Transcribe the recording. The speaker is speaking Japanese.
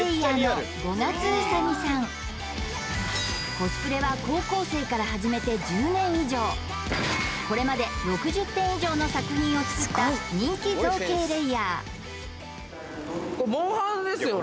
コスプレは高校生から始めて１０年以上これまで６０点以上の作品を作った人気造形レイヤーこれ「モンハン」ですよね？